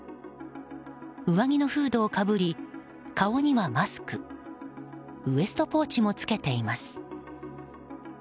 上着のフードをかぶり顔にはマスクウエストポーチも着けています。